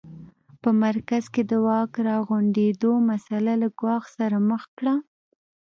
په مرکز کې د واک راغونډېدو مسٔله له ګواښ سره مخ کړه.